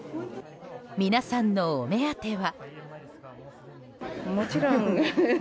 皆さんのお目当ては。